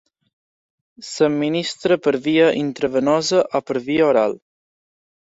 S'administra per via intravenosa o per via oral.